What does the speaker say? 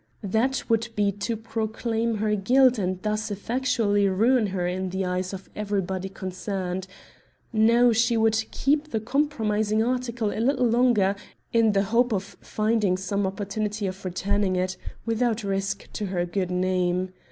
That would be to proclaim her guilt and thus effectually ruin her in the eyes of everybody concerned. No, she would keep the compromising article a little longer, in the hope of finding some opportunity of returning it without risk to her good name.